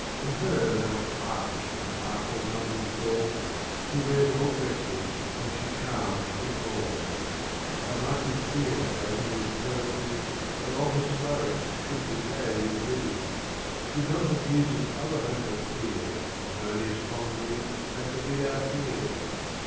From her no harsh, unartful Numbers fall, She wears all Dresses, and she Charms in all: How might we fear our English Poetry, That long has flourish'd, shou'd decay with Thee; Did not the Muses other Hope appear, Harmonious Congreve, and forbid our Fear.